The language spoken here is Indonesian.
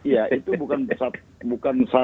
ya itu bukan